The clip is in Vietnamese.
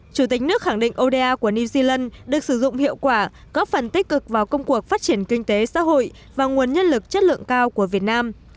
chủ tịch nước khẳng định oda của new zealand được sử dụng hiệu quả góp phần tích cực vào công cuộc phát triển kinh tế xã hội và nguồn nhân lực chất lượng cao của việt nam